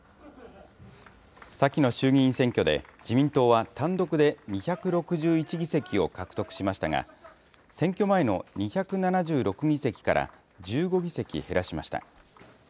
先の衆議院選挙で、自民党は単独で２６１議席を獲得しましたが、選挙前の２７６議席から１５議席減らしました。